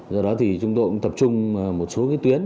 do đó chúng tôi cũng tập trung vào một số tuyến